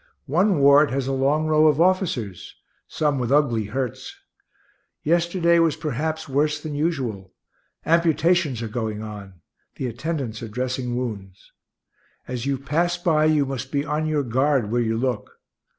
One ward has a long row of officers, some with ugly hurts. Yesterday was perhaps worse than usual: amputations are going on; the attendants are dressing wounds. As you pass by you must be on your guard where you look.